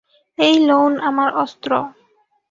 এই লউন আমার অস্ত্র।